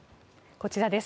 こちらです。